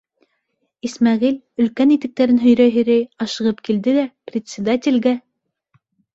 Исмәғил, өлкән итектәрен һөйрәй-һөйрәй, ашығып килде лә председателгә: